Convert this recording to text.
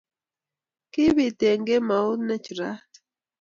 kibiit eng kemout ne churat